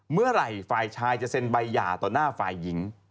เมื่อไหร่ฝ่ายชายจะเซ็นใบหย่าต่อหน้าฝ่ายหญิง